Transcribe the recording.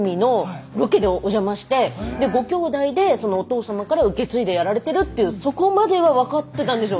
ご兄弟でお父様から受け継いでやられてるっていうそこまでは分かってたんですよ。